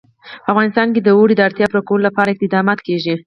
په افغانستان کې د اوړي د اړتیاوو پوره کولو لپاره اقدامات کېږي.